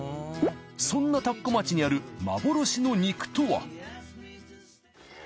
そんな田子町にある幻の肉とは？